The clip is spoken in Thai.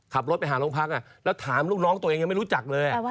ขับรถไปหาโรงพักแล้วถามลูกน้องตัวเองยังไม่รู้จักเลย